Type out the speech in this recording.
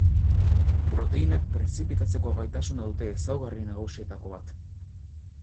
Proteinak prezipitatzeko gaitasuna dute ezaugarri nagusietako bat.